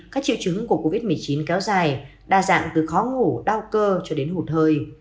các triệu chứng của covid một mươi chín kéo dài đa dạng từ khó ngủ đau cơ cho đến hụt hơi